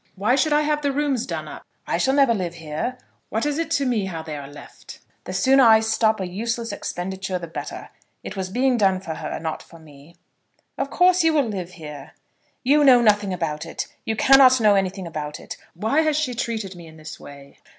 "Why should I have the rooms done up? I shall never live here. What is it to me how they are left? The sooner I stop a useless expenditure the better. It was being done for her, not for me." "Of course you will live here." "You know nothing about it. You cannot know anything about it. Why has she treated me in this way?